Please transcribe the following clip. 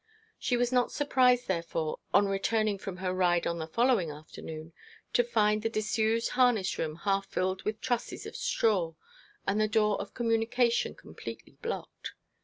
She was not surprised, therefore, on returning from her ride on the following afternoon, to find the disused harness room half filled with trusses of straw, and the door of communication completely blocked.